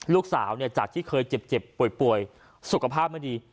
ลูกสาวจากที่เคยเจ็บป่วยสุขภาพไม่ดี